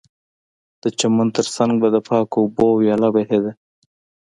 د چمن ترڅنګ به د پاکو اوبو ویاله بهېده